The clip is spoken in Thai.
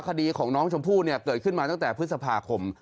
คดีของน้องชมพู่เนี่ยเกิดขึ้นมาตั้งแต่พฤษภาคม